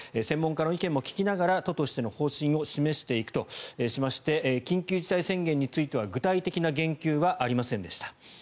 専門家の意見も聞きながら都としての方針を示していくとしまして緊急事態宣言については具体的な言及はありませんでした。